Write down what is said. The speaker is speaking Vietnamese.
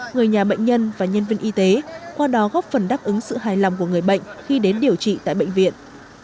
người nhà bệnh nhân và nhân viên y tế qua đó góp phần đáp ứng sự hài lòng của người bệnh khi đến điều trị tại bệnh viện